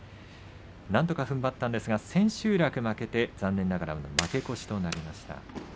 なんとかふんばったんですが千秋楽負けて残念ながら負け越しとなりました。